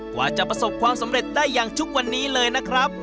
กว่าจะประสบความสำเร็จได้อย่างทุกวันนี้เลยนะครับ